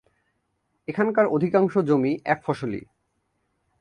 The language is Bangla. এখানকার অধিকাংশ জমি এক ফসলি।